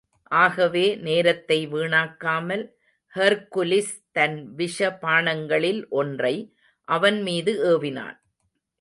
ஆகவே, நேரத்தை வீணாக்காமல், ஹெர்க்குலிஸ் தன் விஷ பாணங்களில் ஒன்றை அவன் மீது ஏவினான்.